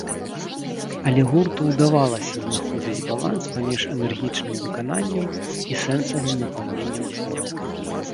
Але гурту ўдавалася знаходзіць баланс паміж энергічным выкананнем і сэнсавым напаўненнем твораў.